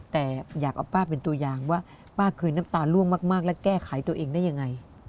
แต่อยากเอาป้าเป็นตัวอย่างว่าป้าเคยน้ำตาล่วงมากและแก้ไขตัวเองได้ยังไง